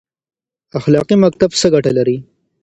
اخلاقي مکتب څه ګټه لري؟